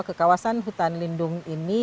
ke kawasan hutan lindung ini